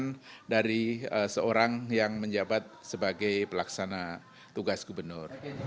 jadi itu adalah hal yang harus diperoleh dari seorang yang menjabat sebagai pelaksana tugas gubernur